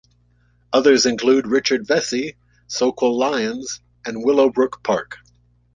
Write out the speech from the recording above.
Others include Richard Vessey, Soquel Lions, and Willowbrook Park.